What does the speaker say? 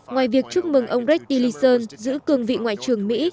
ngoài việc chúc mừng ông rick tillerson giữ cường vị ngoại trưởng mỹ